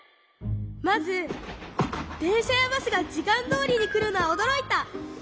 まずでんしゃやバスがじかんどおりにくるのはおどろいた！